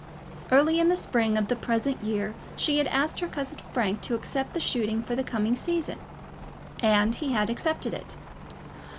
Early in the spring of the present year she had asked her cousin Frank to accept the shooting for the coming season, and he had accepted it.